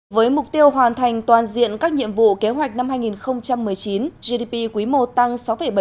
với mục tiêu hoàn thành toàn diện các nhiệm vụ kế hoạch năm hai nghìn một mươi chín gdp quý i tăng sáu bảy